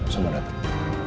saya mau datang